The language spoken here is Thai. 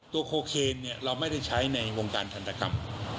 โคเคนเราไม่ได้ใช้ในวงการทันตกรรม